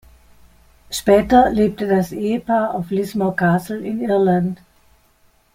Später lebte das Ehepaar auf "Lismore Castle" in Irland.